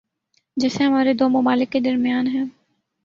جیسے ہمارے دو ممالک کے درمیان ہیں۔